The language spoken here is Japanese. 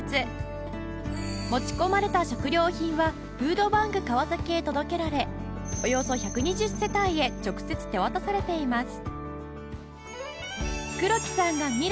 持ち込まれた食料品はフードバンクかわさきへ届けられおよそ１２０世帯へ直接手渡されています